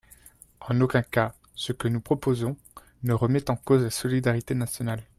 En aucun cas ce que nous proposons ne remet en cause la solidarité nationale.